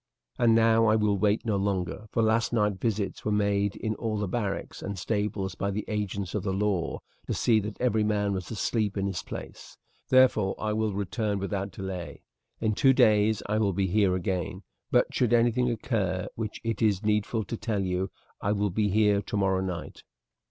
And now I will wait no longer, for last night visits were made in all the barracks and stables by the agents of the law, to see that every man was asleep in his place. Therefore I will return without delay. In two days I will be here again; but should anything occur which it is needful to tell you I will be here tomorrow night."